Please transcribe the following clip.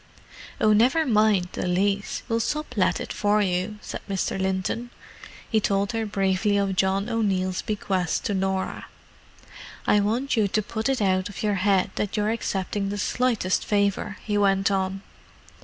"Oh, never mind the lease—we'll sub let it for you," said Mr. Linton. He told her briefly of John O'Neill's bequest to Norah. "I want you to put it out of your head that you're accepting the slightest favour," he went on.